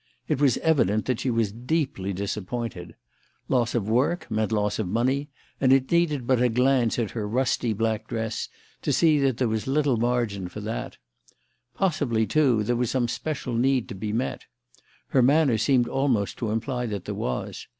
It was evident that she was deeply disappointed. Loss of work meant loss of money, and it needed but a glance at her rusty black dress to see that there was little margin for that. Possibly, too, there was some special need to be met. Her manner seemed almost to imply that there was.